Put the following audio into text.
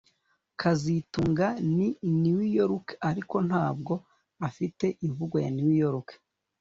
kazitunga ni New Yorker ariko ntabwo afite imvugo ya New York